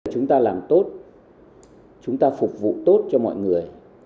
chúng ta làm tốt chúng ta phục vụ tốt cho mọi người